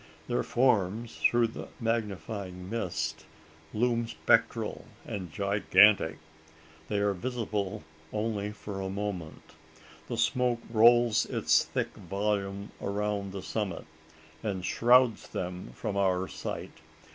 Their forms through the magnifying mist loom spectral and gigantic! They are visible only for a moment. The smoke rolls its thick volume around the summit, and shrouds them from our sight.